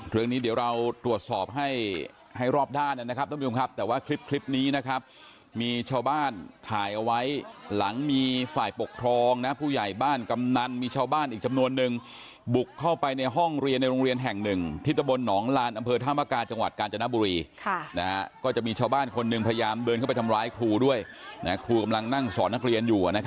เรื่องนี้เดี๋ยวเราตรวจสอบให้ให้รอบด้านนะครับต้องมีคุณครับแต่ว่าคลิปคลิปนี้นะครับมีชาวบ้านถ่ายเอาไว้หลังมีฝ่ายปกครองนะครับผู้ใหญ่บ้านกำนันมีชาวบ้านอีกจำนวนนึงบุกเข้าไปในห้องเรียนในโรงเรียนแห่งหนึ่งที่ตะบนหนองลานอำเภอธามากาจังหวัดกาญจนบุรีค่ะนะฮะก็จะมีชาวบ้านคนหนึ่งพย